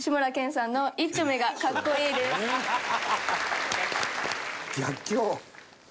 ハハハハ！